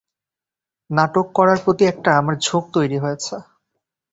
নাটক করার প্রতি একটা আমার ঝোঁক তৈরি হয়েছে।